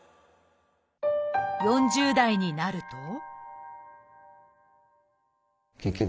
４０代になると結局